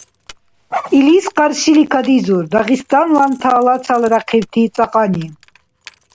Илис къаршили кадизур дагъистанлантала цаладяхъибти цӀакьани.